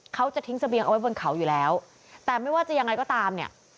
เขาจะทิ้งเสบียงเอาไว้บนเขาอยู่แล้วแต่ไม่ว่าจะยังไงก็ตามเนี่ย